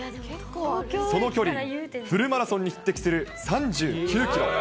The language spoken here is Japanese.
その距離、フルマラソンに匹敵する３９キロ。